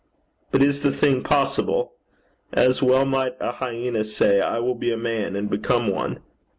But is the thing possible? As well might a hyena say: I will be a man, and become one.